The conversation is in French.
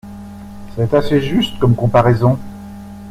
C’est assez juste comme comparaison.